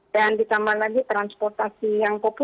dan ditambah lagi transportasi yang kopi